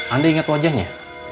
anda ingat wajahnya